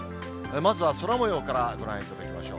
まずは空もようからご覧いただきましょう。